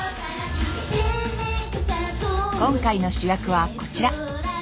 今回の主役はこちら。